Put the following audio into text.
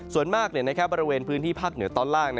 ส่วนมากบริเวณพื้นที่ภาคเหนือตอนล่าง